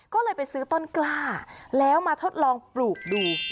ก็เลยไปซื้อต้นกล้าแล้วมาทดลองปลูกดู